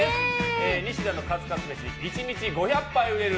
ニシダのカツカツ飯１日５００杯売れる！